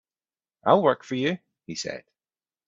"I'll work for you," he said.